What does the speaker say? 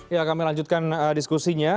ya kami lanjutkan diskusinya